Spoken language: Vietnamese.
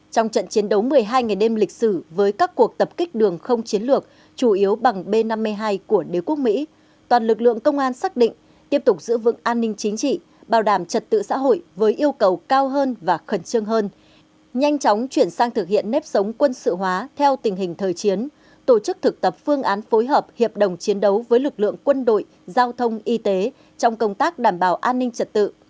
trong trận chiến đấu một mươi hai ngày đêm lịch sử với các cuộc tập kích đường không chiến lược chủ yếu bằng b năm mươi hai của đế quốc mỹ toàn lực lượng công an xác định tiếp tục giữ vững an ninh chính trị bảo đảm trật tự xã hội với yêu cầu cao hơn và khẩn trương hơn nhanh chóng chuyển sang thực hiện nếp sống quân sự hóa theo tình hình thời chiến tổ chức thực tập phương án phối hợp hiệp đồng chiến đấu với lực lượng quân đội giao thông y tế trong công tác đảm bảo an ninh trật tự